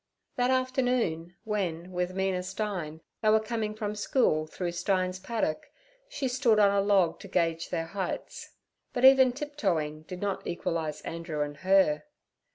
That afternoon, when, with Mina Stein, they were coming from school through Stein's paddock, she stood on a log to gauge their heights, but even tiptoeing did not equalize Andrew and her.